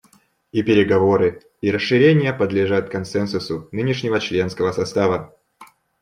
И переговоры, и расширение подлежат консенсусу нынешнего членского состава.